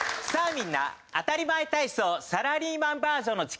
みんな『あたりまえ体操サラリーマンバージョン』の時間だよ。